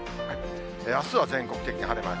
あすは全国的に晴れマーク。